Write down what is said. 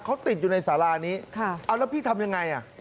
เขาติดอยู่ในสารานี้เอาแล้วพี่ทำยังไงอ่ะ